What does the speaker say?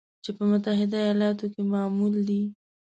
چې په متحده ایالاتو کې معمول دی